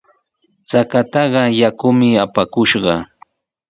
Chataqa yakumi apakushqa.